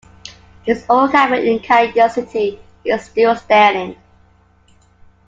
His old cabin in Canyon City is still standing.